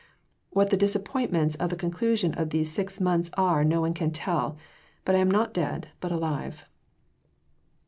What the disappointments of the conclusion of these six months are no one can tell. But I am not dead, but alive."